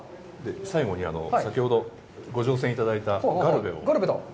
最後に、先ほどご乗船いただいたガルベを。